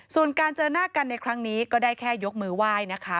ส่วนการเจอหน้ากันในครั้งนี้ก็ได้แค่ยกมือไหว้นะคะ